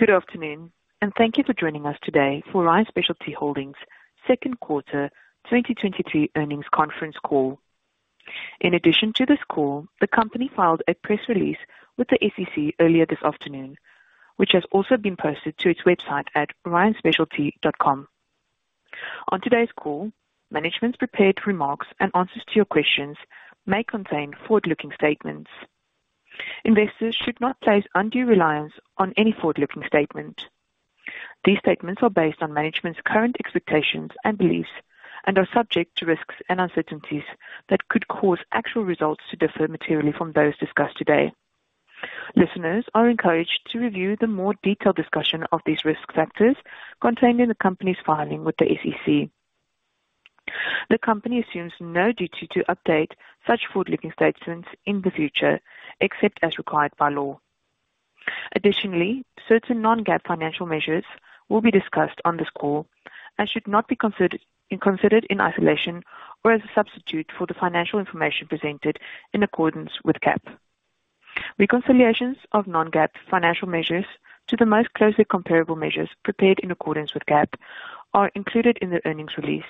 Good afternoon, and thank you for joining us today for Ryan Specialty Holdings second quarter 2023 earnings conference call. In addition to this call, the company filed a press release with the SEC earlier this afternoon, which has also been posted to its website at ryanspecialty.com. On today's call, management's prepared remarks and answers to your questions may contain forward-looking statements. Investors should not place undue reliance on any forward-looking statement. These statements are based on management's current expectations and beliefs and are subject to risks and uncertainties that could cause actual results to differ materially from those discussed today. Listeners are encouraged to review the more detailed discussion of these risk factors contained in the company's filing with the SEC. The company assumes no duty to update such forward-looking statements in the future, except as required by law. Additionally, certain non-GAAP financial measures will be discussed on this call should not be considered in isolation or as a substitute for the financial information presented in accordance with GAAP. Reconciliations of non-GAAP financial measures to the most closely comparable measures prepared in accordance with GAAP are included in the earnings release,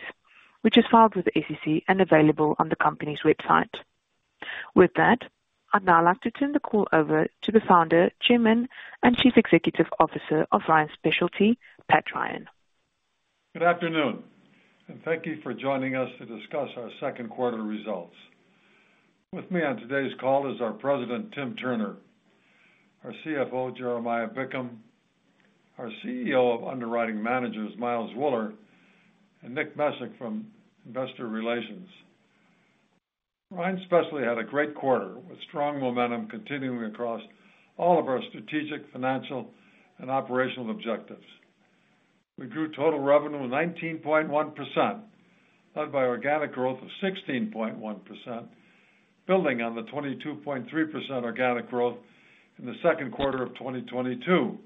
which is filed with the SEC and available on the company's website. With that, I'd now like to turn the call over to the Founder, Chairman, and Chief Executive Officer of Ryan Specialty, Pat Ryan. Good afternoon. Thank you for joining us to discuss our second quarter results. With me on today's call is our President, Tim Turner, our CFO, Jeremiah Bickham, our CEO of Underwriting Managers, Miles Wuller, and Director, Investor Relations, Nick Mezick. Ryan Specialty had a great quarter, with strong momentum continuing across all of our strategic, financial, and operational objectives. We grew total revenue 19.1%, led by organic growth of 16.1%, building on the 22.3% organic growth in the second quarter of 2022.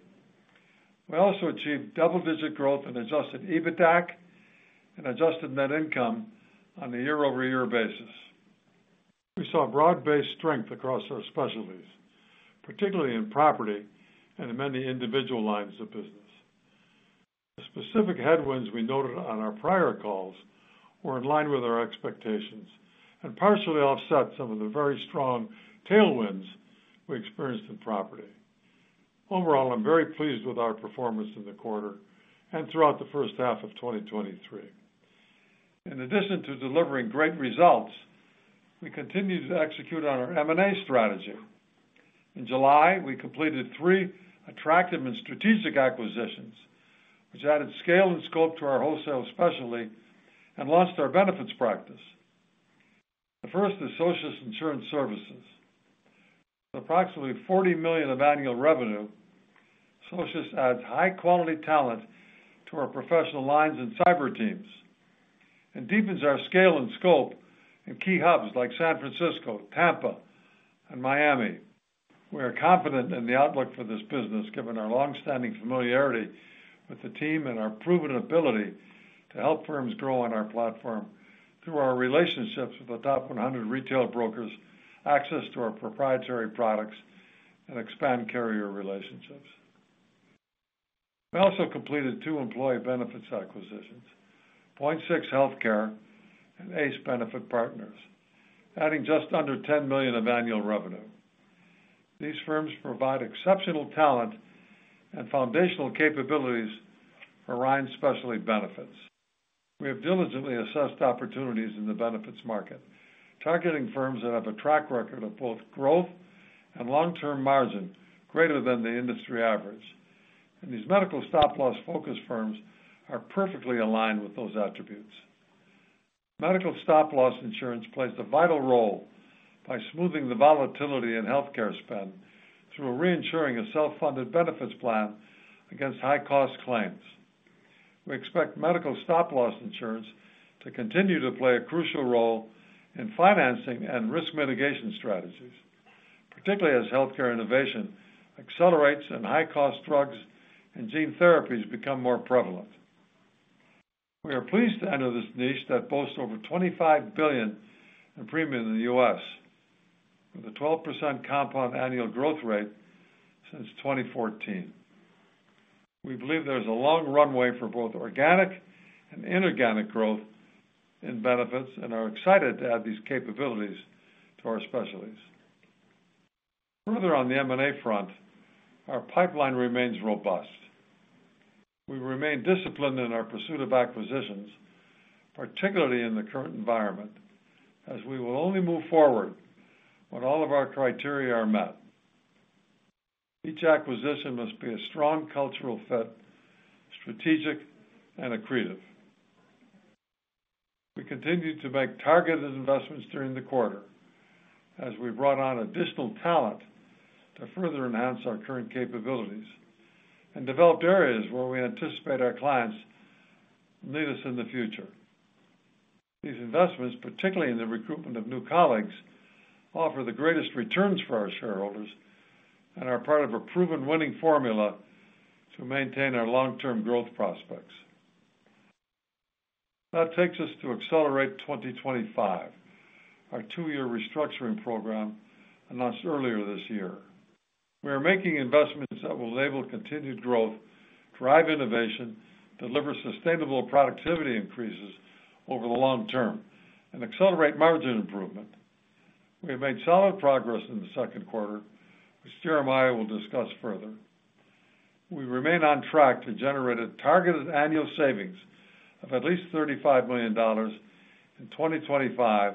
We also achieved double-digit growth in adjusted EBITDAC and adjusted net income on a year-over-year basis. We saw broad-based strength across our specialties, particularly in property and in many individual lines of business. The specific headwinds we noted on our prior calls were in line with our expectations and partially offset some of the very strong tailwinds we experienced in property. Overall, I'm very pleased with our performance in the quarter and throughout the first half of 2023. In addition to delivering great results, we continued to execute on our M&A strategy. In July, we completed three attractive and strategic acquisitions, which added scale and scope to our wholesale specialty and launched our benefits practice. The first is Socius Insurance Services. With approximately $40 million of annual revenue, Socius adds high-quality talent to our professional lines and cyber teams and deepens our scale and scope in key hubs like San Francisco, Tampa, and Miami. We are confident in the outlook for this business, given our long-standing familiarity with the team and our proven ability to help firms grow on our platform through our relationships with the top 100 retail brokers, access to our proprietary products, and expand carrier relationships. We also completed two employee benefits acquisitions, Point6 Healthcare and ACE Benefit Partners, adding just under $10 million of annual revenue. These firms provide exceptional talent and foundational capabilities for Ryan Specialty Benefits. We have diligently assessed opportunities in the benefits market, targeting firms that have a track record of both growth and long-term margin greater than the industry average, and these medical stop-loss focus firms are perfectly aligned with those attributes. Medical stop-loss insurance plays a vital role by smoothing the volatility in healthcare spend through reinsuring a self-funded benefits plan against high-cost claims. We expect medical stop-loss insurance to continue to play a crucial role in financing and risk mitigation strategies, particularly as healthcare innovation accelerates and high-cost drugs and gene therapies become more prevalent. We are pleased to enter this niche that boasts over $25 billion in premium in the US, with a 12% compound annual growth rate since 2014. We believe there is a long runway for both organic and inorganic growth in benefits and are excited to add these capabilities to our specialties. Further on the M&A front, our pipeline remains robust. We remain disciplined in our pursuit of acquisitions, particularly in the current environment, as we will only move forward when all of our criteria are met. Each acquisition must be a strong cultural fit, strategic, and accretive. We continued to make targeted investments during the quarter as we brought on additional talent to further enhance our current capabilities and developed areas where we anticipate our clients need us in the future. These investments, particularly in the recruitment of new colleagues, offer the greatest returns for our shareholders and are part of a proven winning formula to maintain our long-term growth prospects. That takes us to ACCELERATE 2025, our two-year restructuring program announced earlier this year. We are making investments that will enable continued growth, drive innovation, deliver sustainable productivity increases over the long term, and accelerate margin improvement. We have made solid progress in the second quarter, which Jeremiah will discuss further. We remain on track to generate a targeted annual savings of at least $35 million in 2025,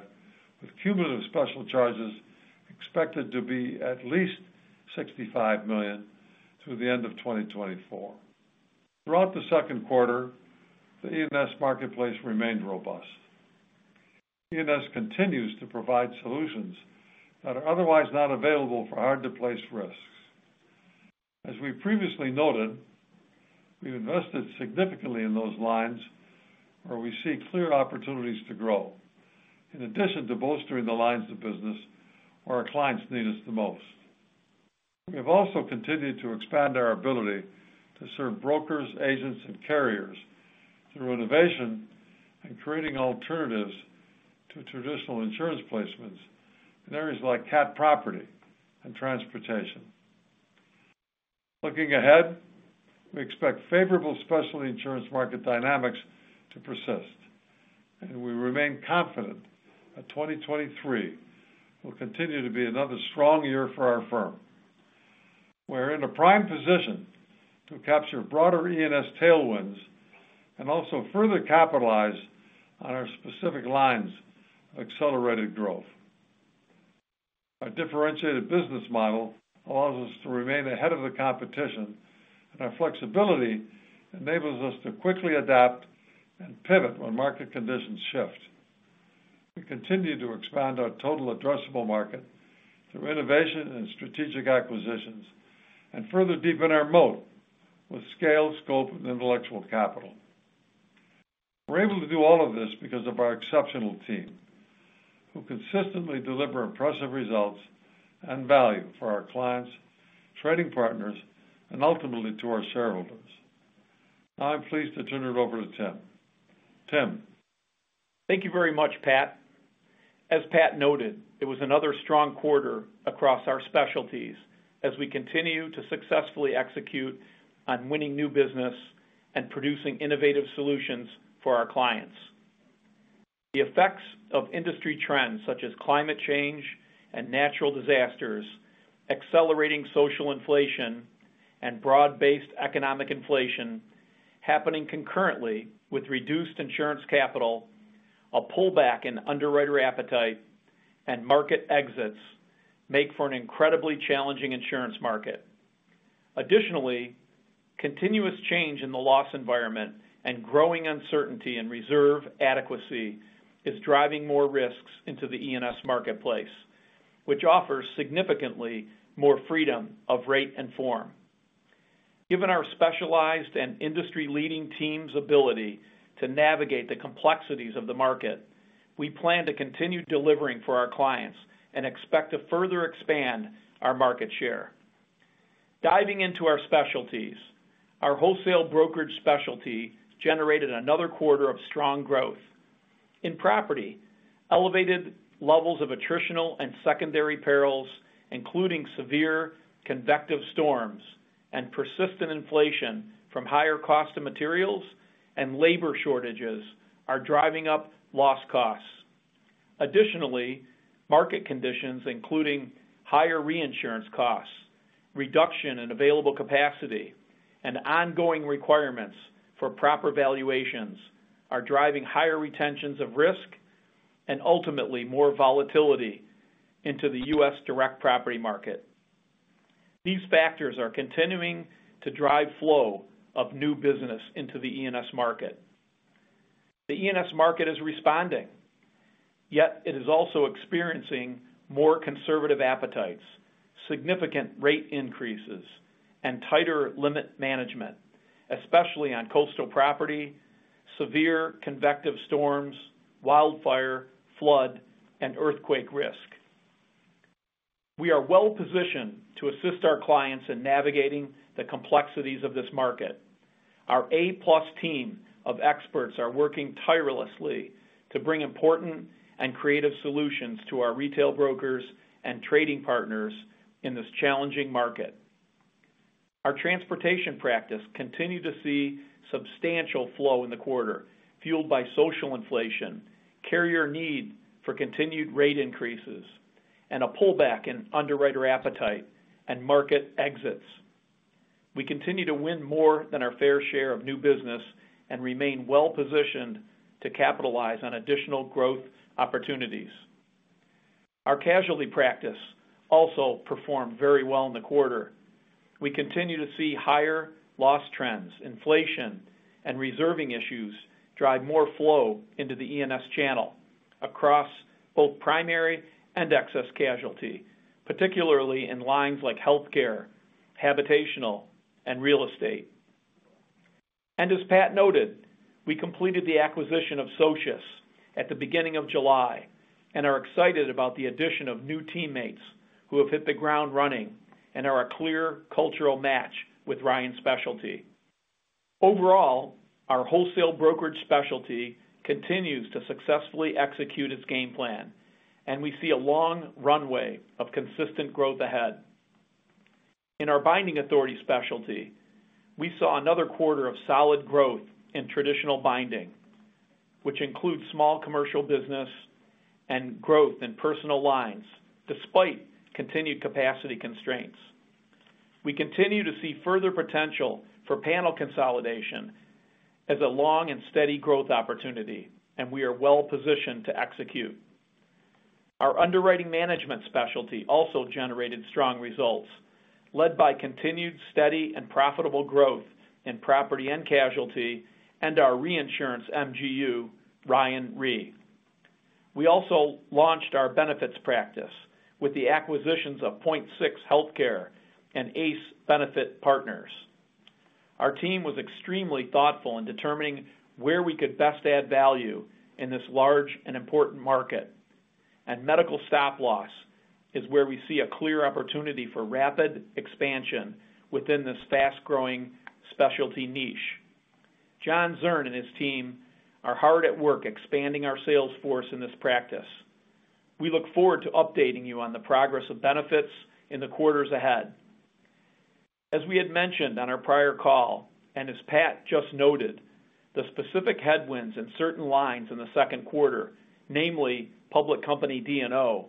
with cumulative special charges expected to be at least $65 million through the end of 2024. Throughout the second quarter, the E&S marketplace remained robust. E&S continues to provide solutions that are otherwise not available for hard-to-place risks. As we previously noted, we've invested significantly in those lines where we see clear opportunities to grow. In addition to bolstering the lines of business where our clients need us the most, we have also continued to expand our ability to serve brokers, agents, and carriers through innovation and creating alternatives to traditional insurance placements in areas like cat property and transportation. Looking ahead, we expect favorable specialty insurance market dynamics to persist, and we remain confident that 2023 will continue to be another strong year for our firm. We're in a prime position to capture broader E&S tailwinds and also further capitalize on our specific lines of accelerated growth. Our differentiated business model allows us to remain ahead of the competition, and our flexibility enables us to quickly adapt and pivot when market conditions shift. We continue to expand our total addressable market through innovation and strategic acquisitions, and further deepen our moat with scale, scope, and intellectual capital. We're able to do all of this because of our exceptional team, who consistently deliver impressive results and value for our clients, trading partners, and ultimately, to our shareholders. Now, I'm pleased to turn it over to Tim. Tim? Thank you very much, Pat. As Pat noted, it was another strong quarter across our specialties as we continue to successfully execute on winning new business and producing innovative solutions for our clients. The effects of industry trends, such as climate change and natural disasters, accelerating social inflation and broad-based economic inflation, happening concurrently with reduced insurance capital, a pullback in underwriter appetite, and market exits, make for an incredibly challenging insurance market. Additionally, continuous change in the loss environment and growing uncertainty in reserve adequacy is driving more risks into the E&S marketplace, which offers significantly more freedom of rate and form. Given our specialized and industry-leading team's ability to navigate the complexities of the market, we plan to continue delivering for our clients and expect to further expand our market share. Diving into our specialties, our wholesale brokerage specialty generated another quarter of strong growth. In property, elevated levels of attritional and secondary perils, including severe convective storms and persistent inflation from higher cost of materials and labor shortages, are driving up loss costs. Additionally, market conditions, including higher reinsurance costs, reduction in available capacity, and ongoing requirements for proper valuations, are driving higher retentions of risk and ultimately more volatility into the U.S. direct property market. These factors are continuing to drive flow of new business into the E&S market. The E&S market is responding, yet it is also experiencing more conservative appetites, significant rate increases, and tighter limit management, especially on coastal property, severe convective storms, wildfire, flood, and earthquake risk. We are well-positioned to assist our clients in navigating the complexities of this market. Our A-plus team of experts are working tirelessly to bring important and creative solutions to our retail brokers and trading partners in this challenging market. Our transportation practice continued to see substantial flow in the quarter, fueled by social inflation, carrier need for continued rate increases, and a pullback in underwriter appetite and market exits. We continue to win more than our fair share of new business and remain well-positioned to capitalize on additional growth opportunities. Our casualty practice also performed very well in the quarter. We continue to see higher loss trends, inflation, and reserving issues drive more flow into the E&S channel across both primary and excess casualty, particularly in lines like healthcare, habitational, and real estate. As Pat noted, we completed the acquisition of Socius at the beginning of July, and are excited about the addition of new teammates who have hit the ground running and are a clear cultural match with Ryan Specialty. Overall, our wholesale brokerage specialty continues to successfully execute its game plan, and we see a long runway of consistent growth ahead. In our binding authority specialty, we saw another quarter of solid growth in traditional binding, which includes small commercial business and growth in personal lines, despite continued capacity constraints. We continue to see further potential for panel consolidation as a long and steady growth opportunity, and we are well positioned to execute. Our underwriting management specialty also generated strong results, led by continued steady and profitable growth in property and casualty and our reinsurance MGU, Ryan Re. We also launched our benefits practice with the acquisitions of Point6 Healthcare and ACE Benefit Partners. Our team was extremely thoughtful in determining where we could best add value in this large and important market, and medical stop-loss is where we see a clear opportunity for rapid expansion within this fast-growing specialty niche. John Zern and his team are hard at work expanding our sales force in this practice. We look forward to updating you on the progress of benefits in the quarters ahead. As we had mentioned on our prior call, and as Pat just noted, the specific headwinds in certain lines in the second quarter, namely public company D&O,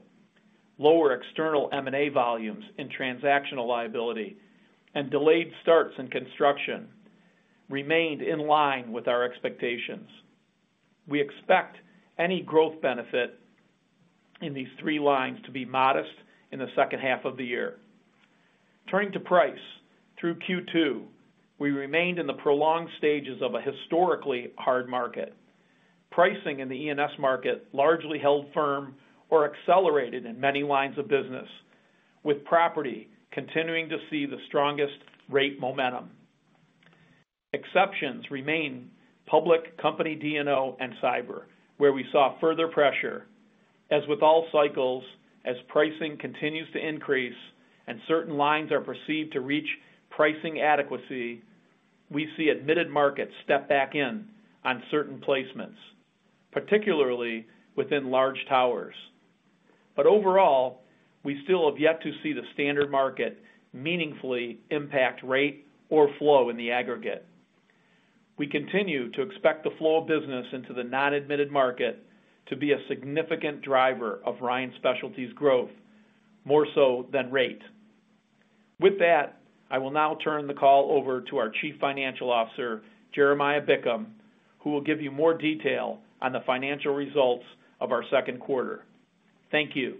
lower external M&A volumes in transactional liability, and delayed starts in construction, remained in line with our expectations. We expect any growth benefit in these three lines to be modest in the second half of the year. Turning to price, through Q2, we remained in the prolonged stages of a historically hard market. Pricing in the E&S market largely held firm or accelerated in many lines of business, with property continuing to see the strongest rate momentum. Exceptions remain public company D&O and cyber, where we saw further pressure. As with all cycles, as pricing continues to increase and certain lines are perceived to reach pricing adequacy, we see admitted markets step back in on certain placements, particularly within large towers. Overall, we still have yet to see the standard market meaningfully impact rate or flow in the aggregate. We continue to expect the flow of business into the non-admitted market to be a significant driver of Ryan Specialty's growth, more so than rate. With that, I will now turn the call over to our Chief Financial Officer, Jeremiah Bickham, who will give you more detail on the financial results of our second quarter. Thank you.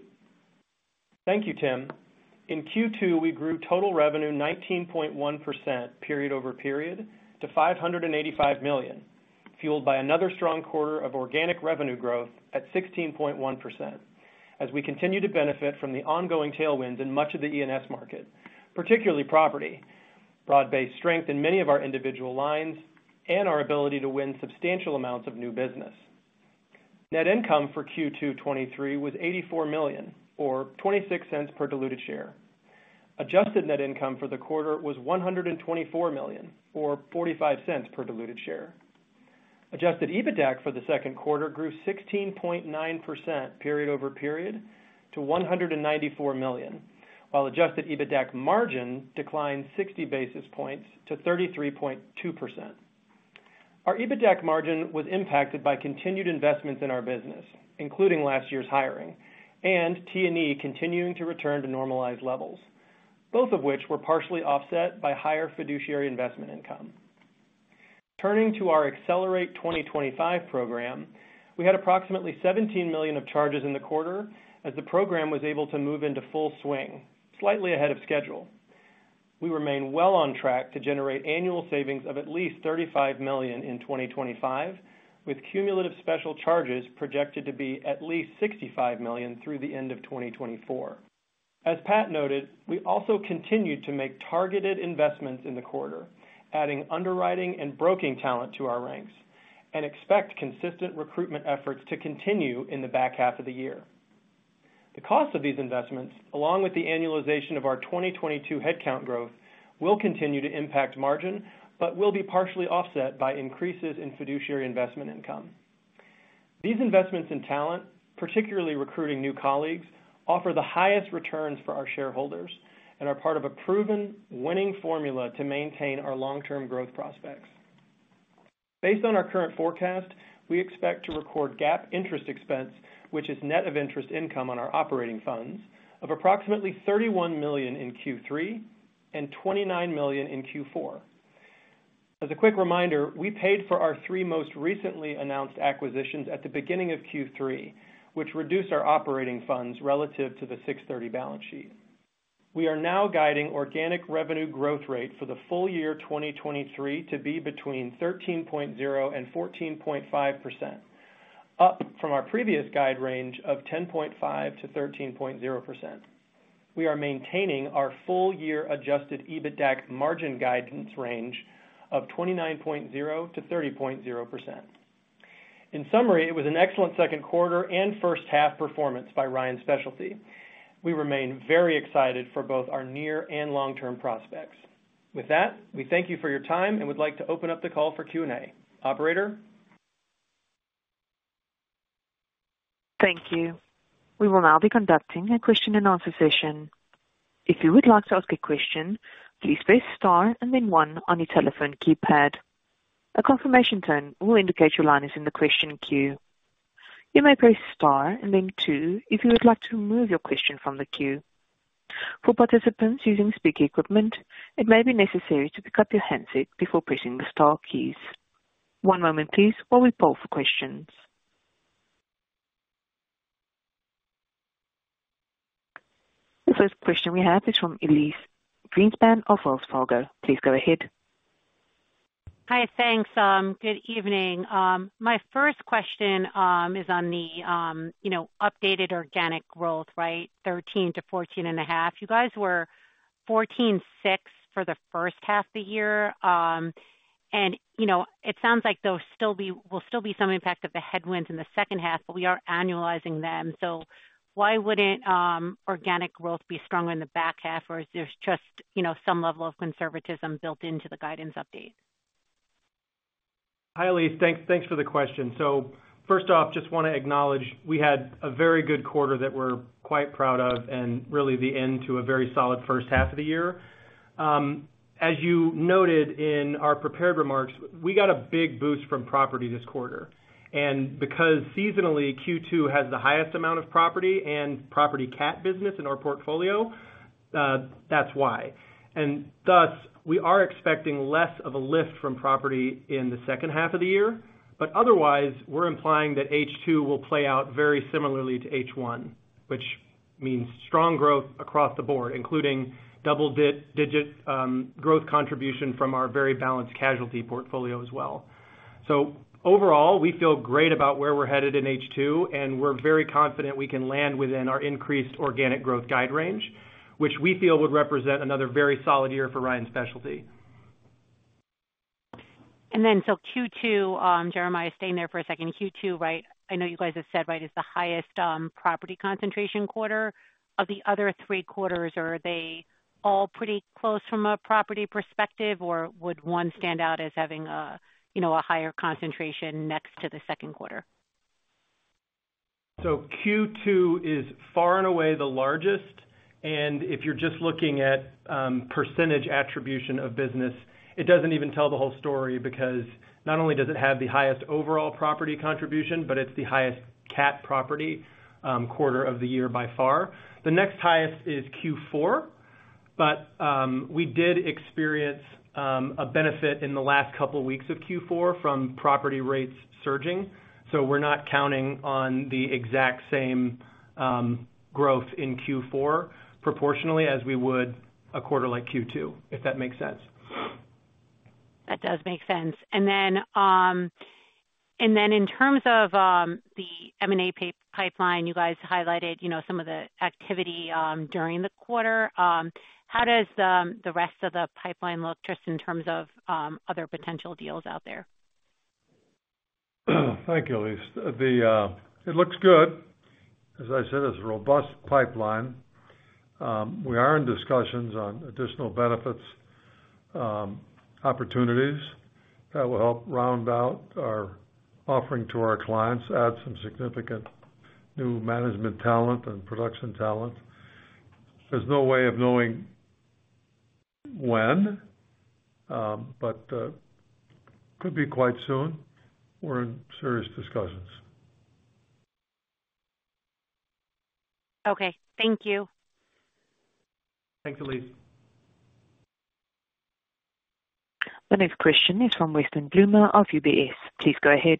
Thank you, Tim. In Q2, we grew total revenue 19.1% period-over-period to $585 million, fueled by another strong quarter of organic revenue growth at 16.1%, as we continue to benefit from the ongoing tailwinds in much of the E&S market, particularly property, broad-based strength in many of our individual lines, and our ability to win substantial amounts of new business. Net income for Q2 2023 was $84 million, or $0.26 per diluted share. Adjusted net income for the quarter was $124 million, or $0.45 per diluted share. Adjusted EBITDAC for the second quarter grew 16.9% period-over-period to $194 million, while adjusted EBITDAC margin declined 60 basis points to 33.2%. Our EBITDAC margin was impacted by continued investments in our business, including last year's hiring, and T&E continuing to return to normalized levels, both of which were partially offset by higher fiduciary investment income. Turning to our ACCELERATE 2025 program, we had approximately $17 million of charges in the quarter as the program was able to move into full swing, slightly ahead of schedule. We remain well on track to generate annual savings of at least $35 million in 2025, with cumulative special charges projected to be at least $65 million through the end of 2024. As Pat noted, we also continued to make targeted investments in the quarter, adding underwriting and broking talent to our ranks, and expect consistent recruitment efforts to continue in the back half of the year. The cost of these investments, along with the annualization of our 2022 headcount growth, will continue to impact margin, but will be partially offset by increases in fiduciary investment income. These investments in talent, particularly recruiting new colleagues, offer the highest returns for our shareholders and are part of a proven winning formula to maintain our long-term growth prospects. Based on our current forecast, we expect to record GAAP interest expense, which is net of interest income on our operating funds, of approximately $31 million in Q3 and $29 million in Q4. As a quick reminder, we paid for our three most recently announced acquisitions at the beginning of Q3, which reduced our operating funds relative to the 6/30 balance sheet. We are now guiding organic revenue growth rate for the full year 2023 to be between 13.0% and 14.5%, up from our previous guide range of 10.5%-13.0%. We are maintaining our full year adjusted EBITDAC margin guidance range of 29.0%-30.0%. In summary, it was an excellent second quarter and first half performance by Ryan Specialty. We remain very excited for both our near and long-term prospects. With that, we thank you for your time and would like to open up the call for Q&A. Operator? Thank you. We will now be conducting a question and answer session. If you would like to ask a question, please press star and then one on your telephone keypad. A confirmation tone will indicate your line is in the question queue. You may press star and then two if you would like to remove your question from the queue. For participants using speaker equipment, it may be necessary to pick up your handset before pressing the star keys. One moment please while we poll for questions. The first question we have is from Elyse Greenspan of Wells Fargo. Please go ahead. Hi, thanks. Good evening. My first question is on the, you know, updated organic growth, right? 13%-14.5%. You guys were 14.6% for the first half of the year. You know, it sounds like there'll still be some impact of the headwinds in the second half, but we are annualizing them. Why wouldn't organic growth be stronger in the back half? Is there just, you know, some level of conservatism built into the guidance update? Hi, Elyse, thanks, thanks for the question. First off, just want to acknowledge we had a very good quarter that we're quite proud of and really the end to a very solid first half of the year. As you noted in our prepared remarks, we got a big boost from property this quarter. Because seasonally, Q2 has the highest amount of property and property cat business in our portfolio, that's why. Thus, we are expecting less of a lift from property in the second half of the year. Otherwise, we're implying that H2 will play out very similarly to H1, which means strong growth across the board, including double-digit growth contribution from our very balanced casualty portfolio as well. Overall, we feel great about where we're headed in H2, and we're very confident we can land within our increased organic growth guide range, which we feel would represent another very solid year for Ryan Specialty. Q2, Jeremiah, staying there for a second. Q2, right, I know you guys have said, right, is the highest, property concentration quarter. Of the other three quarters, are they all pretty close from a property perspective, or would one stand out as having a, you know, a higher concentration next to the second quarter? Q2 is far and away the largest, and if you're just looking at percentage attribution of business, it doesn't even tell the whole story, because not only does it have the highest overall property contribution, but it's the highest cat property quarter of the year by far. The next highest is Q4, we did experience a benefit in the last couple weeks of Q4 from property rates surging, we're not counting on the exact same growth in Q4 proportionally as we would a quarter like Q2, if that makes sense. That does make sense. Then in terms of the M&A pipeline, you guys highlighted, you know, some of the activity during the quarter. How does the rest of the pipeline look just in terms of other potential deals out there? Thank you, Elyse. The. It looks good. As I said, it's a robust pipeline. We are in discussions on additional benefits opportunities that will help round out our offering to our clients, add some significant new management talent and production talent. There's no way of knowing when, but could be quite soon. We're in serious discussions. Okay, thank you. Thanks, Elyse. The next question is from Weston Bloomer of UBS. Please go ahead.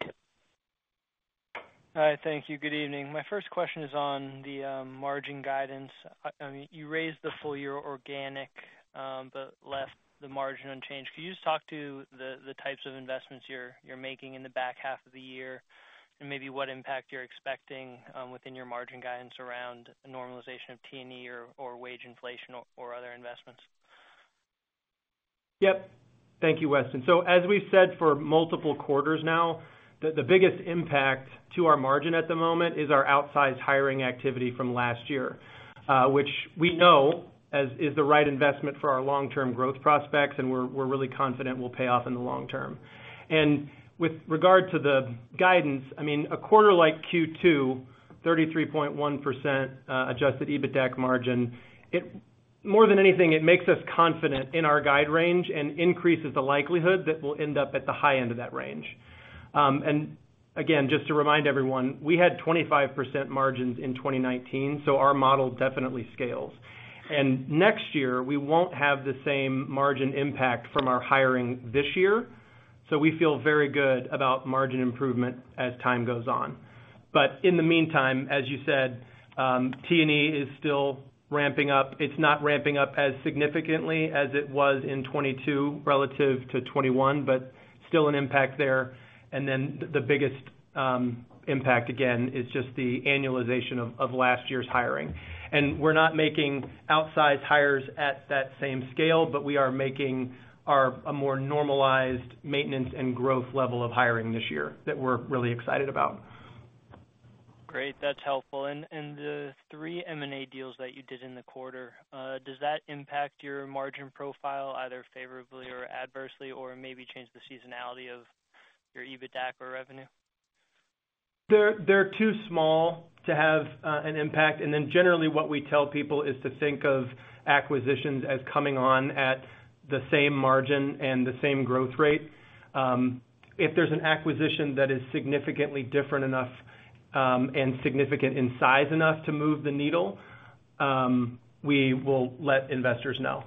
Hi, thank you. Good evening. My first question is on the margin guidance. I, I mean, you raised the full year organic, but left the margin unchanged. Could you just talk to the, the types of investments you're, you're making in the back half of the year and maybe what impact you're expecting, within your margin guidance around normalization of T&E or, or wage inflation or, or other investments? Yep. Thank you, Weston. As we've said for multiple quarters now, the biggest impact to our margin at the moment is our outsized hiring activity from last year, which we know as is the right investment for our long-term growth prospects, and we're really confident will pay off in the long term. With regard to the guidance, I mean, a quarter like Q2, 33.1% adjusted EBITDAC margin, more than anything, it makes us confident in our guide range and increases the likelihood that we'll end up at the high end of that range. Again, just to remind everyone, we had 25% margins in 2019, our model definitely scales. Next year, we won't have the same margin impact from our hiring this year. We feel very good about margin improvement as time goes on. In the meantime, as you said, T&E is still ramping up. It's not ramping up as significantly as it was in 2022 relative to 2021, but still an impact there. Then the, the biggest impact, again, is just the annualization of, of last year's hiring. We're not making outsized hires at that same scale, but we are making a more normalized maintenance and growth level of hiring this year, that we're really excited about. Great, that's helpful. The three M&A deals that you did in the quarter, does that impact your margin profile either favorably or adversely, or maybe change the seasonality of your EBITDAC or revenue? They're, they're too small to have an impact. Then generally, what we tell people is to think of acquisitions as coming on at the same margin and the same growth rate. If there's an acquisition that is significantly different enough, and significant in size enough to move the needle, we will let investors know.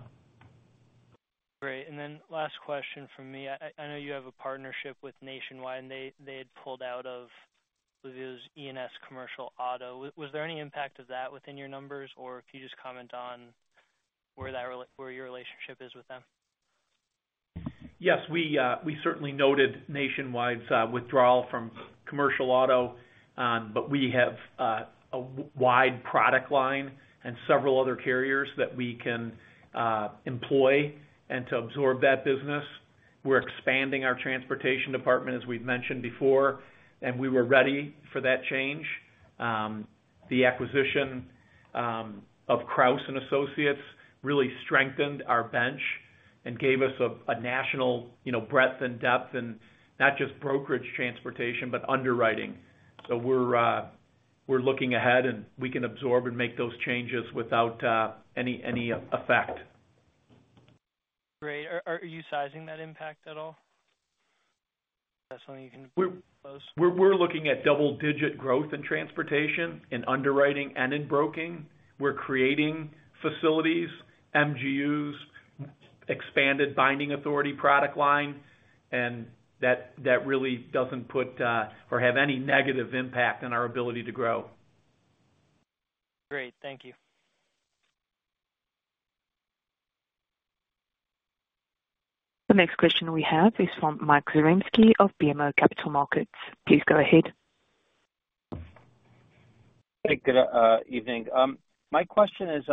Great. Last question from me. I know you have a partnership with Nationwide, and they had pulled out of it's E&S Commercial Auto. Was there any impact of that within your numbers? If you just comment on where that where your relationship is with them? Yes, we, we certainly noted Nationwide's withdrawal from commercial auto, but we have a wide product line and several other carriers that we can employ and to absorb that business. We're expanding our transportation department, as we've mentioned before, and we were ready for that change. The acquisition of Crouse and Associates really strengthened our bench and gave us a national, you know, breadth and depth, and not just brokerage transportation, but underwriting. We're, we're looking ahead, and we can absorb and make those changes without any, any effect. Great. Are you sizing that impact at all? That's something you can close. We're, we're looking at double-digit growth in transportation, in underwriting, and in broking. We're creating facilities, MGUs, expanded binding authority product line, and that, that really doesn't put, or have any negative impact on our ability to grow. Great. Thank you. The next question we have is from Mike Zaremski of BMO Capital Markets. Please go ahead. Hey, good evening. My question is,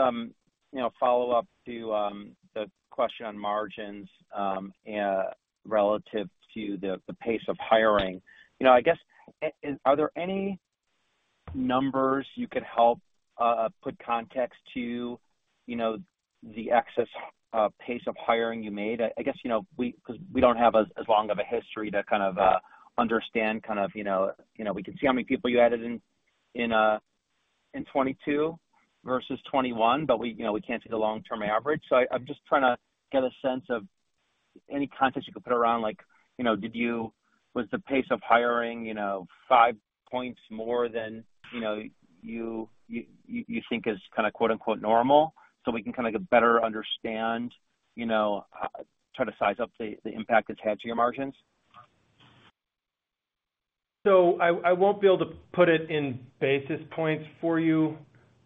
you know, a follow-up to the question on margins, relative to the pace of hiring. You know, I guess, and are there any numbers you could help put context to, you know, the excess pace of hiring you made? I, I guess, you know, we-- 'cause we don't have as, as long of a history to kind of understand kind of, you know, you know, we can see how many people you added in, in 2022 versus 2021, but we, you know, we can't see the long-term average. I, I'm just trying to get a sense of any context you could put around, like, you know, did you-- was the pace of hiring, you know, 5 points more than, you know, you, you, you think is kind of quote-unquote, "normal," so we can kind of get better understand, you know, try to size up the, the impact it's had to your margins? I, I won't be able to put it in basis points for you,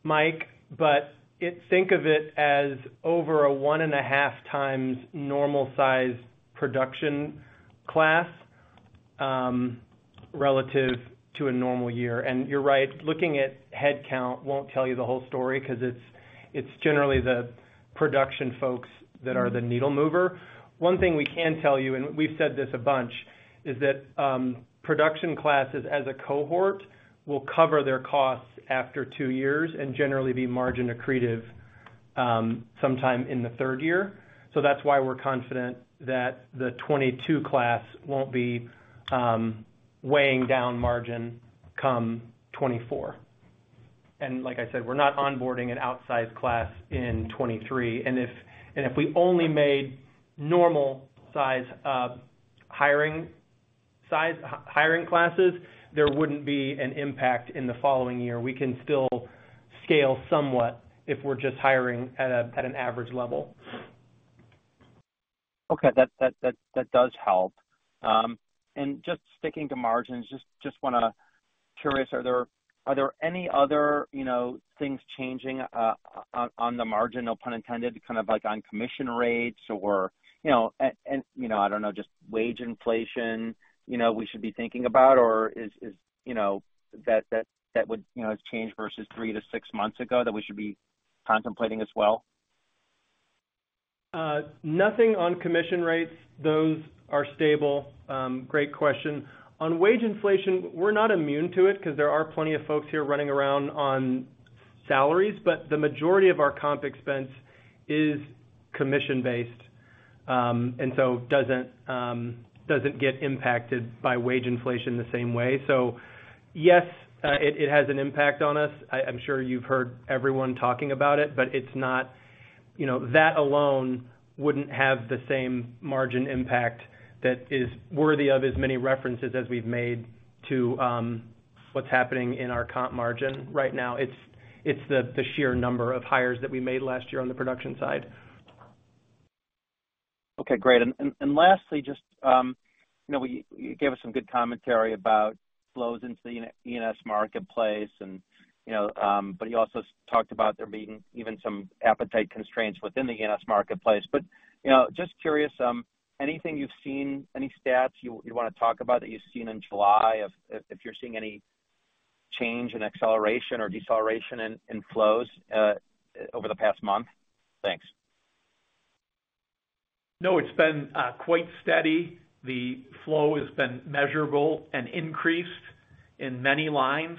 Mike, but it think of it as over a 1.5 times normal size production class, relative to a normal year. You're right, looking at headcount won't tell you the whole story 'cause it's, it's generally the production folks that are the needle mover. One thing we can tell you, and we've said this a bunch, is that production classes as a cohort, will cover their costs after two years and generally be margin accretive, sometime in the third year. That's why we're confident that the 2022 class won't be weighing down margin come 2024. Like I said, we're not onboarding an outsized class in 2023. If, and if we only made normal size, hiring size, hiring classes, there wouldn't be an impact in the following year. We can still scale somewhat if we're just hiring at an average level. Okay. That, that, that, that does help. Just sticking to margins, just, just curious, are there, are there any other, you know, things changing on, on the margin, no pun intended, kind of like on commission rates or, you know, and, and you know, I don't know, just wage inflation, you know, we should be thinking about, or is, is, you know, that, that, that would, you know, has changed versus three to six months ago, that we should be contemplating as well? nothing on commission rates. Those are stable. great question. On wage inflation, we're not immune to it, 'cause there are plenty of folks here running around on salaries, but the majority of our comp expense is commission-based, and so doesn't, doesn't get impacted by wage inflation the same way. Yes, it, it has an impact on us. I, I'm sure you've heard everyone talking about it, but it's not, you know, that alone wouldn't have the same margin impact that is worthy of as many references as we've made to what's happening in our comp margin right now. It's the sheer number of hires that we made last year on the production side. Okay, great. Lastly, just, you know, you gave us some good commentary about flows into the E&S marketplace and, you know, you also talked about there being even some appetite constraints within the E&S marketplace. You know, just curious, anything you've seen, any stats you, you want to talk about that you've seen in July, if, if you're seeing any change in acceleration or deceleration in, in flows, over the past month? Thanks. No, it's been quite steady. The flow has been measurable and increased in many lines.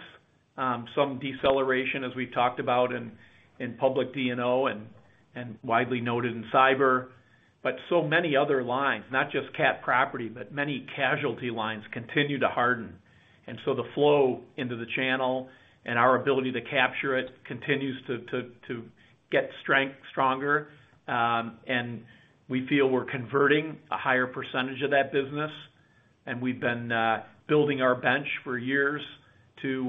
Some deceleration, as we've talked about in public D&O and widely noted in cyber. So many other lines, not just cat property, but many casualty lines continue to harden. So the flow into the channel and our ability to capture it continues to get stronger. We feel we're converting a higher percentage of that business, and we've been building our bench for years to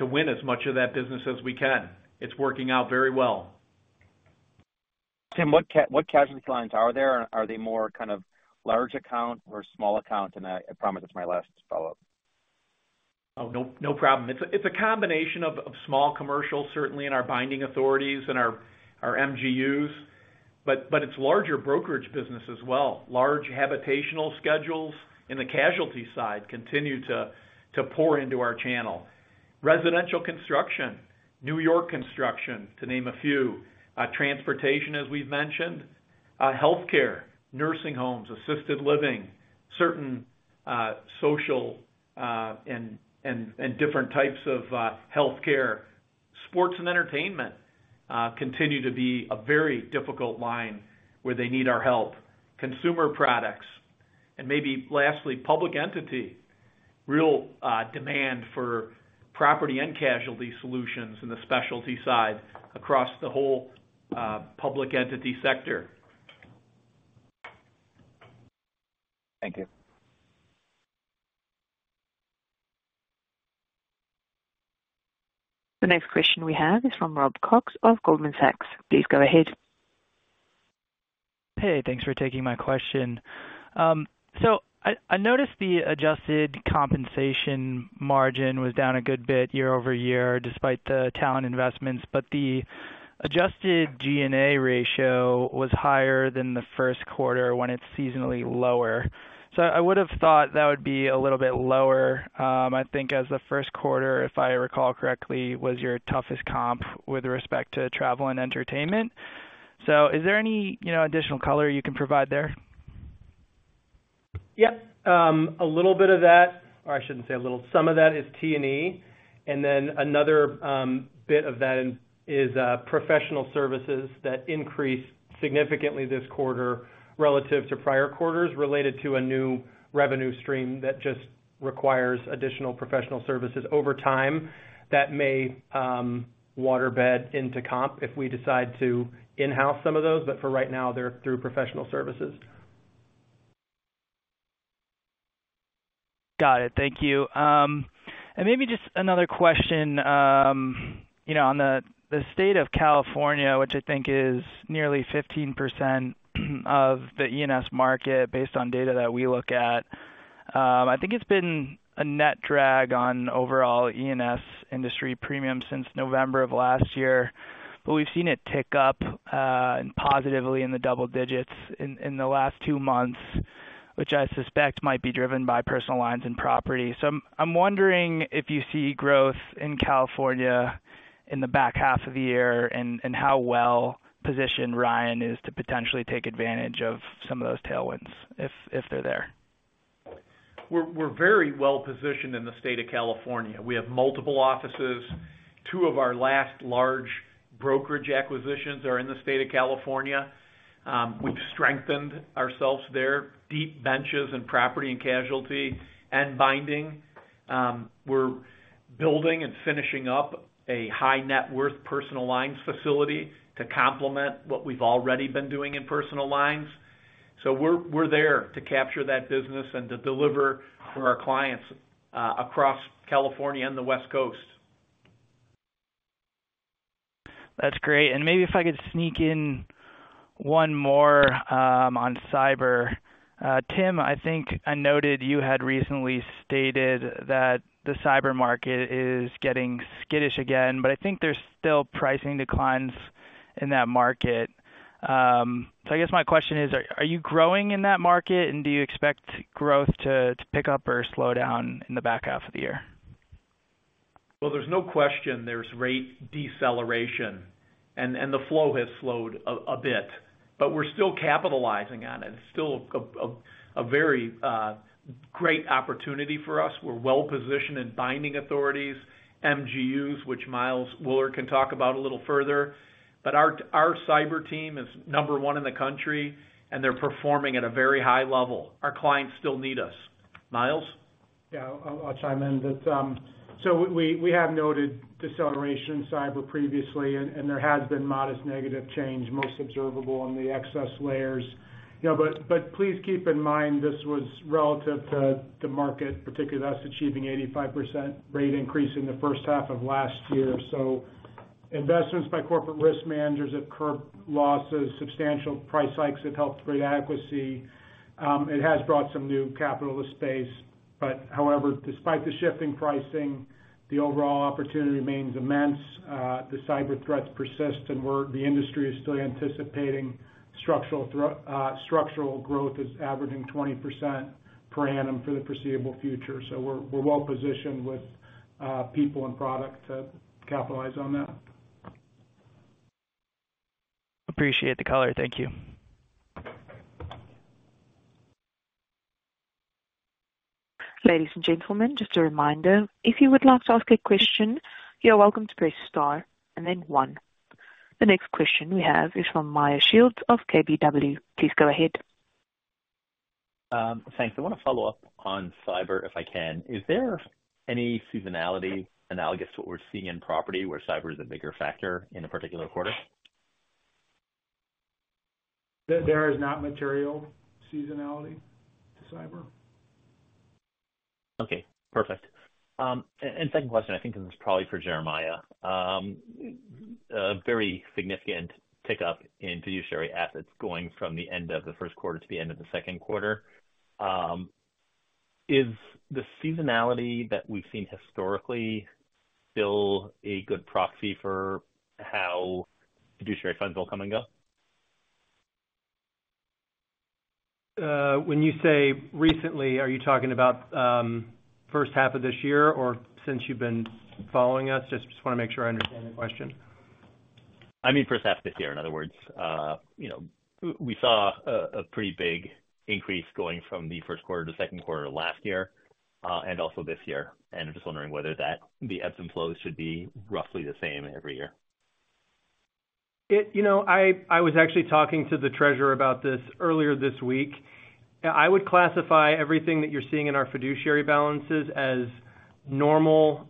win as much of that business as we can. It's working out very well. Tim, what what casualty lines are there? Are they more kind of large account or small account? I promise it's my last follow-up. Oh, no, no problem. It's a combination of small commercial, certainly in our binding authorities and our MGUs, but it's larger brokerage business as well. Large habitational schedules in the casualty side continue to pour into our channel. Residential construction, New York construction, to name a few, transportation, as we've mentioned, healthcare, nursing homes, assisted living, certain social and different types of healthcare. Sports and entertainment continue to be a very difficult line where they need our help. Consumer products, maybe lastly, public entity, real demand for property and casualty solutions in the specialty side across the whole public entity sector. Thank you. The next question we have is from Rob Cox of Goldman Sachs. Please go ahead. Hey, thanks for taking my question. I noticed the adjusted compensation margin was down a good bit year-over-year, despite the talent investments, but the adjusted G&A ratio was higher than the first quarter when it's seasonally lower. I would have thought that would be a little bit lower, I think as the first quarter, if I recall correctly, was your toughest comp with respect to travel and entertainment. Is there any, you know, additional color you can provide there? Yep. A little bit of that, or I shouldn't say a little. Some of that is T&E, and then another bit of that is professional services that increased significantly this quarter relative to prior quarters, related to a new revenue stream that just requires additional professional services. Over time, that may water bed into comp if we decide to in-house some of those, but for right now, they're through professional services. Got it. Thank you. Maybe just another question, you know, on the, the state of California, which I think is nearly 15% of the E&S market based on data that we look at. I think it's been a net drag on overall E&S industry premium since November of last year, we've seen it tick up, and positively in the double-digits in, in the last two months, which I suspect might be driven by personal lines and property. I'm, I'm wondering if you see growth in California in the back half of the year, and, and how well positioned Ryan is to potentially take advantage of some of those tailwinds, if, if they're there? We're, we're very well positioned in the state of California. We have multiple offices. Two of our last large brokerage acquisitions are in the state of California. We've strengthened ourselves there, deep benches in property and casualty and binding. We're building and finishing up a high net worth personal lines facility to complement what we've already been doing in personal lines. We're, we're there to capture that business and to deliver for our clients across California and the West Coast. That's great. Maybe if I could sneak in one more, on cyber. Tim, I think I noted you had recently stated that the cyber market is getting skittish again. I think there's still pricing declines in that market. I guess my question is, are you growing in that market? Do you expect growth to, to pick up or slow down in the back half of the year? There's no question there's rate deceleration, and the flow has slowed a bit, but we're still capitalizing on it. It's still a very great opportunity for us. We're well positioned in binding authorities, MGUs, which Miles Wuller can talk about a little further. Our, our cyber team is number 1 in the country, and they're performing at a very high level. Our clients still need us. Miles? Yeah, I'll, I'll chime in. We, we have noted deceleration in cyber previously, and there has been modest negative change, most observable in the excess layers. You know, but please keep in mind, this was relative to the market, particularly that's achieving 85% rate increase in the first half of last year. Investments by corporate risk managers have curbed losses, substantial price hikes have helped trade adequacy. It has brought some new capital to space. However, despite the shifting pricing, the overall opportunity remains immense. The cyber threats persist, and we're the industry is still anticipating structural structural growth is averaging 20% per annum for the foreseeable future. We're, we're well positioned with people and product to capitalize on that. Appreciate the color. Thank you. Ladies and gentlemen, just a reminder, if you would like to ask a question, you are welcome to press star and then one. The next question we have is from Meyer Shields of KBW. Please go ahead. Thanks. I want to follow up on cyber, if I can. Is there any seasonality analogous to what we're seeing in property, where cyber is a bigger factor in a particular quarter? There, there is not material seasonality to cyber. Okay, perfect. And second question, I think this is probably for Jeremiah. A very significant pickup in fiduciary assets going from the end of the first quarter to the end of the second quarter. Is the seasonality that we've seen historically still a good proxy for how fiduciary funds will come and go? When you say recently, are you talking about first half of this year or since you've been following us? Just want to make sure I understand the question. I mean, first half this year. In other words, you know, we saw a pretty big increase going from the first quarter to second quarter last year, and also this year. I'm just wondering whether that the ebbs and flows should be roughly the same every year? You know, I, I was actually talking to the treasurer about this earlier this week. I would classify everything that you're seeing in our fiduciary balances as normal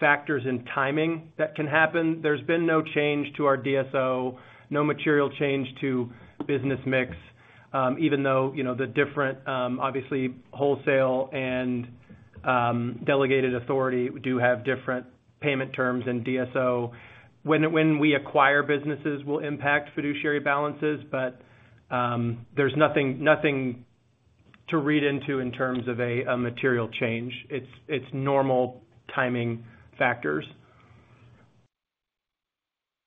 factors in timing that can happen. There's been no change to our DSO, no material change to business mix, even though, you know, the different, obviously, wholesale and delegated authority do have different payment terms and DSO. When, when we acquire businesses will impact fiduciary balances, there's nothing, nothing to read into in terms of a material change. It's, it's normal timing factors.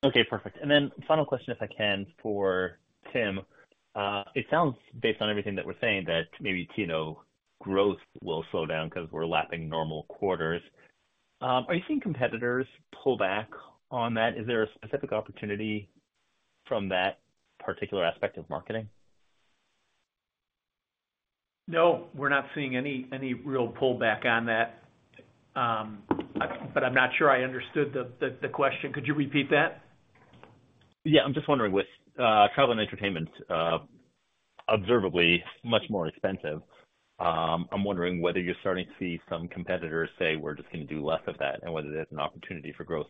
Okay, perfect. Then final question, if I can, for Tim. It sounds based on everything that we're saying, that maybe TNO growth will slow down because we're lapping normal quarters. Are you seeing competitors pull back on that? Is there a specific opportunity from that particular aspect of marketing? No, we're not seeing any, any real pullback on that. I'm not sure I understood the, the, the question. Could you repeat that? Yeah. I'm just wondering, with travel and entertainment, observably much more expensive, I'm wondering whether you're starting to see some competitors say, we're just going to do less of that, and whether there's an opportunity for growth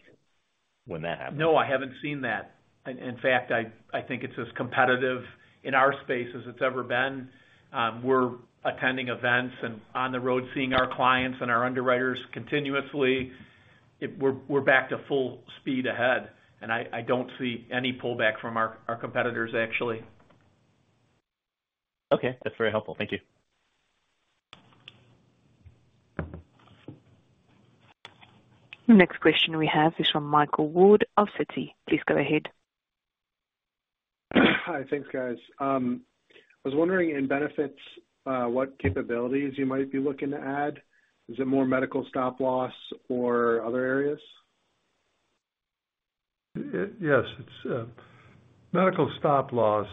when that happens? No, I haven't seen that. In fact, I, I think it's as competitive in our space as it's ever been. We're attending events and on the road, seeing our clients and our underwriters continuously. We're, we're back to full speed ahead, and I, I don't see any pullback from our, our competitors, actually. Okay. That's very helpful. Thank you. The next question we have is from Michael Ward of Citi. Please go ahead. Hi. Thanks, guys. I was wondering, in benefits, what capabilities you might be looking to add. Is it more medical stop-loss or other areas? Yes, it's medical stop-loss,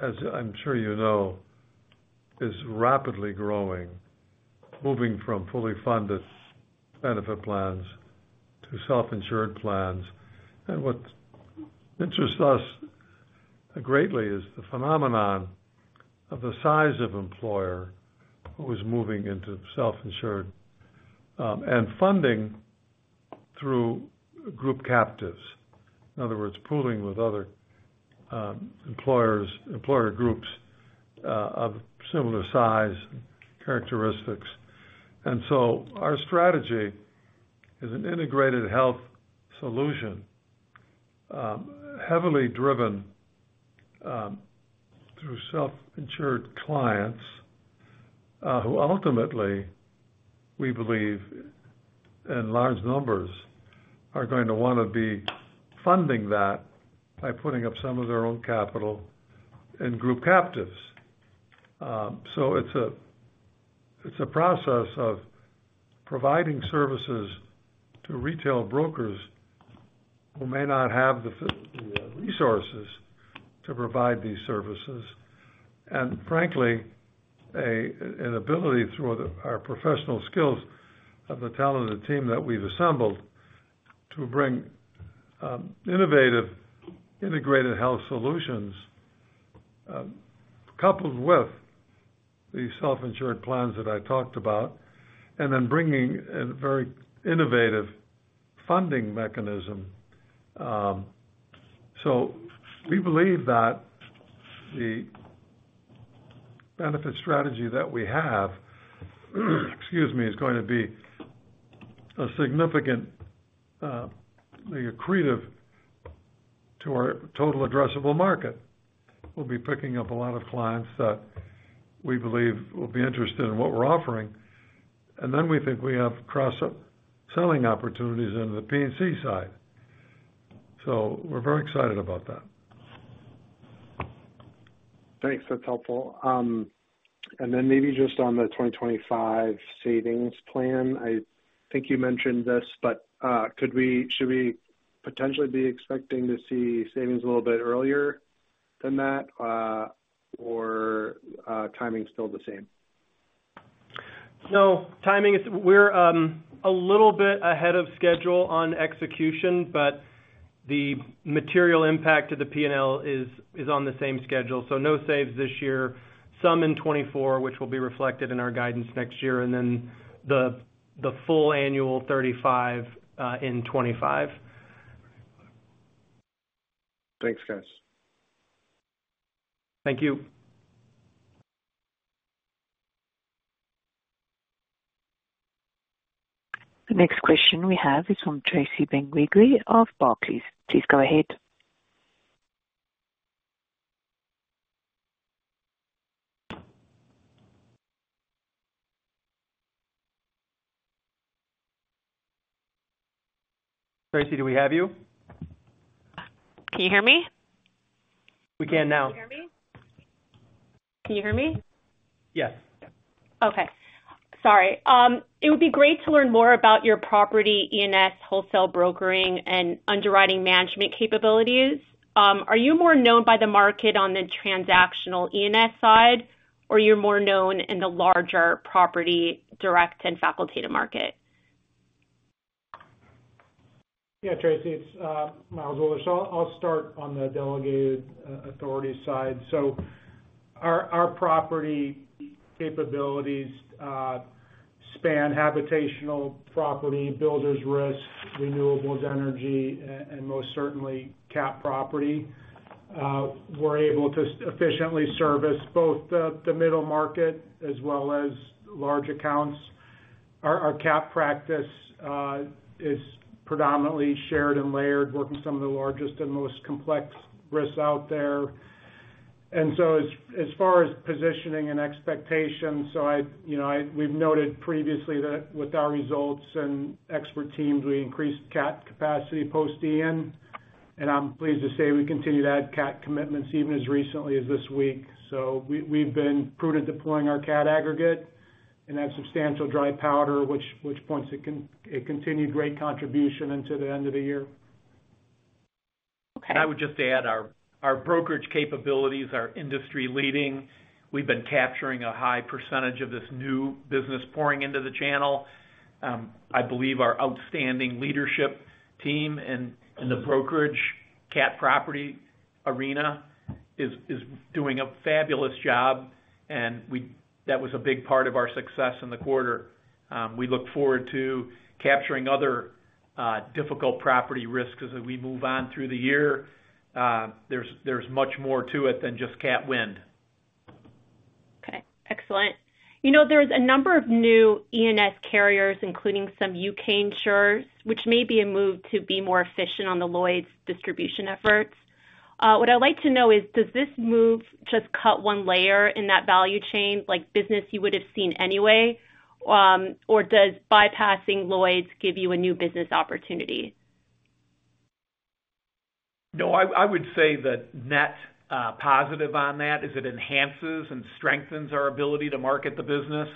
as I'm sure you know, is rapidly growing, moving from fully funded benefit plans to self-insured plans. What interests us greatly is the phenomenon of the size of employer who is moving into self-insured and funding through group captives. In other words, pooling with other employers, employer groups of similar size characteristics. Our strategy is an integrated health solution, heavily driven through self-insured clients, who ultimately, we believe in large numbers, are going to want to be funding that by putting up some of their own capital in group captives. It's a process of providing services to retail brokers who may not have the resources to provide these services, and frankly, an ability through our professional skills of the talented team that we've assembled, to bring innovative, integrated health solutions, coupled with the self-insured plans that I talked about, and then bringing a very innovative funding mechanism. We believe that the benefit strategy that we have, excuse me, is going to be a significant, accretive to our total addressable market. We'll be picking up a lot of clients that we believe will be interested in what we're offering. Then we think we have cross-selling opportunities into the P&C side. We're very excited about that. Thanks. That's helpful. And then maybe just on the 2025 savings plan. I think you mentioned this, but should we potentially be expecting to see savings a little bit earlier than that, or timing is still the same? No, timing is, we're a little bit ahead of schedule on execution, but the material impact to the P&L is, is on the same schedule. No saves this year. Some in 2024, which will be reflected in our guidance next year, and then the, the full annual 35 in 2025. Thanks, guys. Thank you. The next question we have is from Tracy Benguigui of Barclays. Please go ahead. Tracy, do we have you? Can you hear me? We can now. Can you hear me? Yes. Okay. Sorry. It would be great to learn more about your property E&S wholesale brokering and underwriting management capabilities. Are you more known by the market on the transactional E&S side, or you're more known in the larger property, direct and facultative market? Yeah, Tracy, it's, Miles Wuller. I'll, I'll start on the delegated authority side. Our, our property capabilities span habitational property, builders risk, renewables, energy, and, and most certainly, cat property. We're able to efficiently service both the, the middle market as well as large accounts. Our, our cat practice is predominantly shared and layered, working some of the largest and most complex risks out there. As, as far as positioning and expectations, I'd, you know, we've noted previously that with our results and expert teams, we increased cat capacity post Ian, and I'm pleased to say we continue to add cat commitments even as recently as this week. We, we've been prudent deploying our cat aggregate and have substantial dry powder, which, which points to a continued great contribution into the end of the year. Okay. I would just add, our, our brokerage capabilities are industry leading. We've been capturing a high percentage of this new business pouring into the channel. I believe our outstanding leadership team in, in the brokerage cat property arena is, is doing a fabulous job, and we... That was a big part of our success in the quarter. We look forward to capturing other, difficult property risks as we move on through the year. There's, there's much more to it than just cat wind. Okay, excellent. You know, there's a number of new E&S carriers, including some U.K. insurers, which may be a move to be more efficient on the Lloyd's distribution efforts. What I'd like to know is, does this move just cut one layer in that value chain, like business you would have seen anyway, or does bypassing Lloyd's give you a new business opportunity? No, I, I would say the net positive on that is it enhances and strengthens our ability to market the business.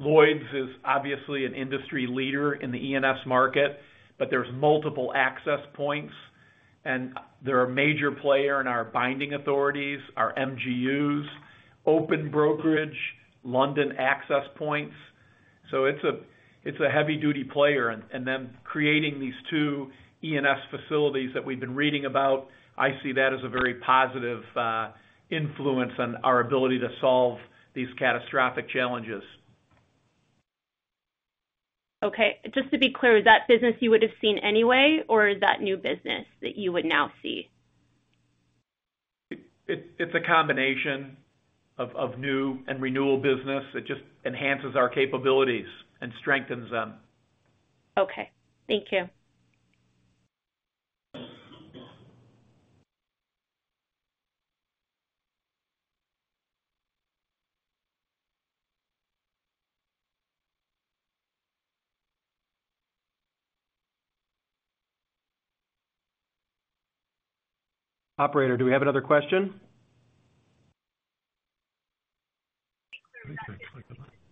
Lloyd's is obviously an industry leader in the E&S market, but there's multiple access points, and they're a major player in our binding authorities, our MGUs, open brokerage, London access points. It's a, it's a heavy-duty player, and them creating these two E&S facilities that we've been reading about, I see that as a very positive influence on our ability to solve these catastrophic challenges. Okay. Just to be clear, is that business you would have seen anyway, or is that new business that you would now see? It's a combination of new and renewal business. It just enhances our capabilities and strengthens them. Okay, thank you. Operator, do we have another question?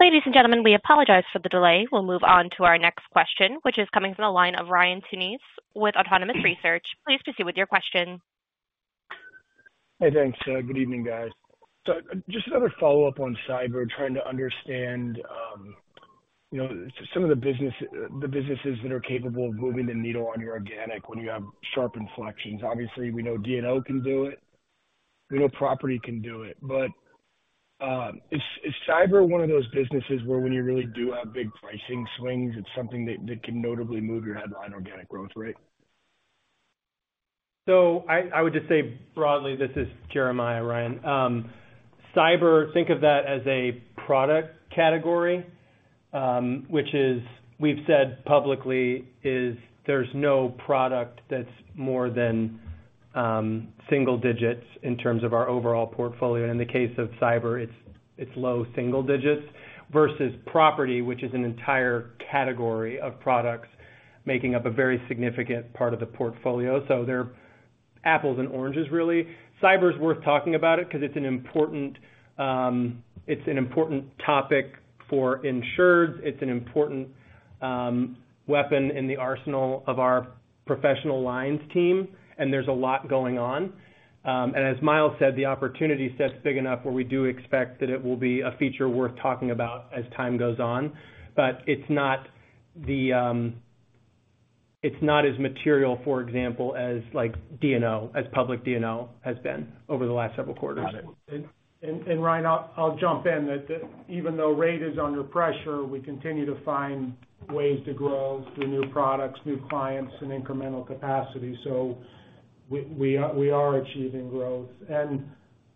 Ladies and gentlemen, we apologize for the delay. We'll move on to our next question, which is coming from the line of Ryan Tunis with Autonomous Research. Please proceed with your question. Hey, thanks. good evening, guys. Just another follow-up on cyber, trying to understand, you know, some of the business, the businesses that are capable of moving the needle on your organic when you have sharp inflections. Obviously, we know D&O can do it, we know property can do it. Is, is cyber one of those businesses where when you really do have big pricing swings, it's something that, that can notably move your headline organic growth rate? I, I would just say broadly, this is Jeremiah, Ryan. Cyber, think of that as a product category, which is we've said publicly, is there's no product that's more than single digits in terms of our overall portfolio. In the case of cyber, it's, it's low single digits versus property, which is an entire category of products, making up a very significant part of the portfolio. They're apples and oranges, really. Cyber is worth talking about it because it's an important, it's an important topic for insureds. It's an important weapon in the arsenal of our professional lines team, and there's a lot going on. As Miles said, the opportunity set's big enough where we do expect that it will be a feature worth talking about as time goes on. It's not the, it's not as material, for example, as like D&O, as public D&O has been over the last several quarters. Got it. Ryan, I'll jump in, that even though rate is under pressure, we continue to find ways to grow through new products, new clients, and incremental capacity. We are achieving growth.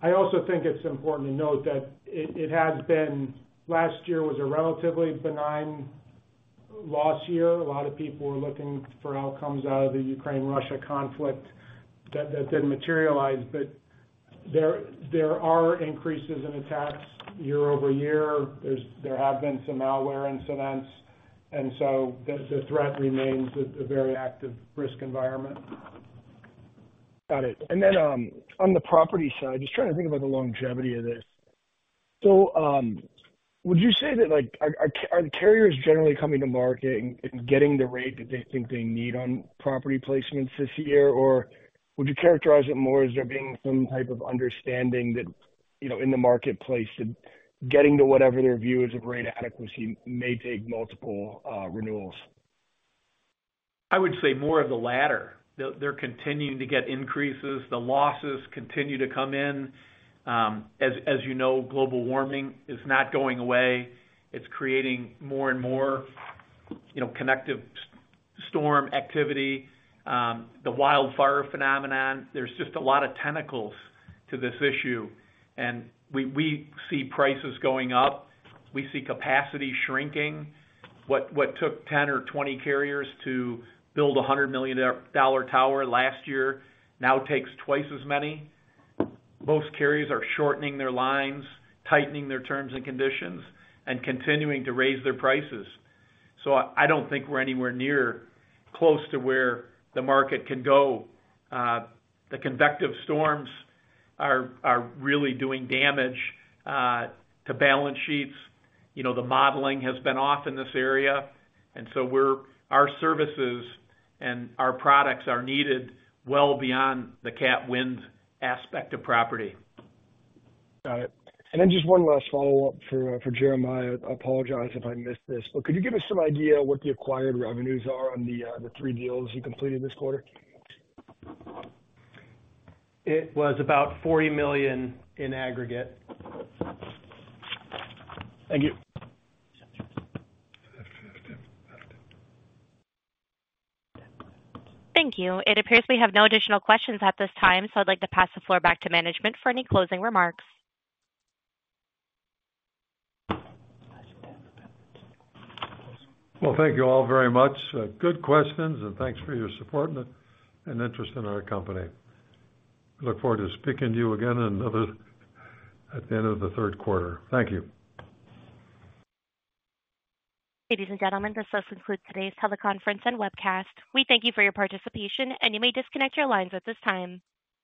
I also think it's important to note that it has been, last year was a relatively benign loss year. A lot of people were looking for outcomes out of the Ukraine-Russia conflict that didn't materialize. There are increases in attacks year-over-year. There have been some malware incidents, so the threat remains a very active risk environment. Got it. Then, on the property side, just trying to think about the longevity of this. Would you say that, like, are, are, are carriers generally coming to market and, and getting the rate that they think they need on property placements this year? Or would you characterize it more as there being some type of understanding that, you know, in the marketplace, that getting to whatever their view is of rate adequacy may take multiple renewals? I would say more of the latter. They're, they're continuing to get increases. The losses continue to come in. As, as you know, global warming is not going away. It's creating more and more, you know, convective storm activity, the wildfire phenomenon. There's just a lot of tentacles to this issue, and we, we see prices going up. We see capacity shrinking. What, what took 10 or 20 carriers to build a $100 million tower last year now takes twice as many. Most carriers are shortening their lines, tightening their terms and conditions, and continuing to raise their prices. I don't think we're anywhere near close to where the market can go. The convective storms are, are really doing damage to balance sheets. You know, the modeling has been off in this area, and so our services and our products are needed well beyond the cat wind aspect of property. Got it. Then just one last follow-up for Jeremiah. I apologize if I missed this, but could you give us some idea what the acquired revenues are on the three deals you completed this quarter? It was about $40 million in aggregate. Thank you. Thank you. It appears we have no additional questions at this time, so I'd like to pass the floor back to management for any closing remarks. Well, thank you all very much. Good questions, thanks for your support and interest in our company. We look forward to speaking to you again at the end of the third quarter. Thank you. Ladies and gentlemen, this does conclude today's teleconference and webcast. We thank you for your participation, and you may disconnect your lines at this time.